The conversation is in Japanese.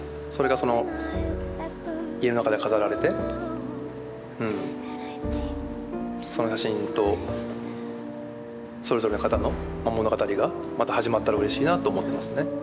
それがその家の中で飾られてうんその写真とそれぞれの方の物語がまた始まったらうれしいなと思ってますね。